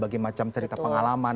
bagi macem cerita pengalaman